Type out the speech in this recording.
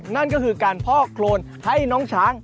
นั่นก็คือการพอกโครนให้น้องช้าง